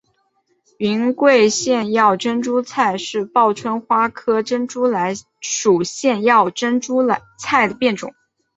云贵腺药珍珠菜是报春花科珍珠菜属腺药珍珠菜的变种。